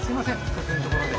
突然のところで。